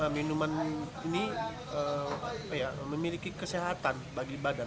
minuman ini memiliki kesehatan bagi badan